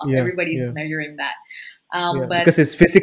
semua orang mencapai itu